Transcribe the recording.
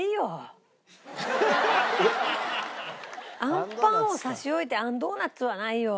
あんパンを差し置いてあんドーナツはないよ。